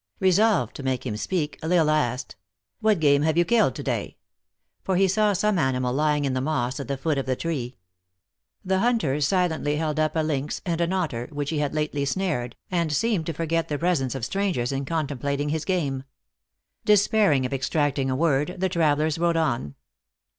Resolved to make him speak, L Isle asked, " What game have you killed to day ?" for he saw some ani mal lying in the moss at the foot of the tree. The hunter silently held up a lynx and an otter, which he had lately snared, and seemed to forget the presence THE ACTRESS IN HIGH LIFE. 157 of strangers in contemplating his game. Despairing of extracting a word, the travelers rode on.